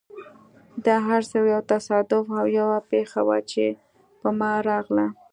دا هر څه یو تصادف او یوه پېښه وه، چې په ما راغله.